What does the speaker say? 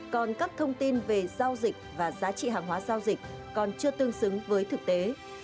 còn các thông tin về giao dịch và giá trị hàng hóa giao dịch còn chưa tương xứng với thực tế